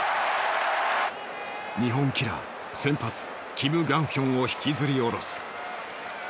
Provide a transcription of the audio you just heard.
日本キラー先発キム・グァンヒョンを引きずりおろす。